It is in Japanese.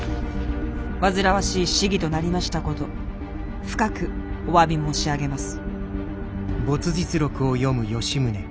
煩わしい仕儀となりましたこと深くお詫び申し上げます」。